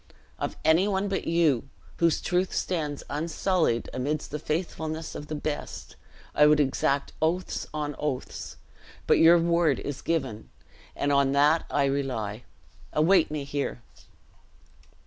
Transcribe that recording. Of any one but you, whose truth stands unsullied, amidst the faithlessness of the best, I would exact oaths on oaths; but your words is given, and on that I rely. Await me here."